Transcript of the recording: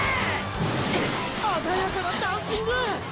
あざやかなダンシング！！